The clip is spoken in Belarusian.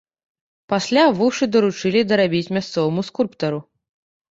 Пасля вушы даручылі дарабіць мясцоваму скульптару.